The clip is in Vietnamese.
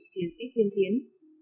chiến sĩ tiên tiến